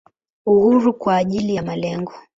Uhuru kwa ajili ya malengo.